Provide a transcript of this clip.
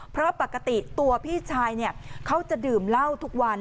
เพราะปกติตัวพี่ชายเขาจะดื่มเหล้าทุกวัน